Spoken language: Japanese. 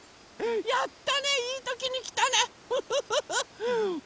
やったねいいときにきたねフフフフ！